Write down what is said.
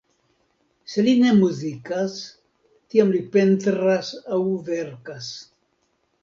Se li ne muzikas, tiam li pentras aŭ verkas.